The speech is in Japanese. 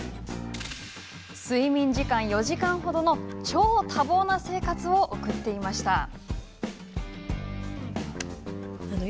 睡眠時間４時間ほどの超多忙な生活を送っていました。